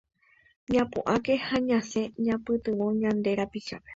Ñapu'ãke ha ñasẽ ñaipytyvõ ñande rapichápe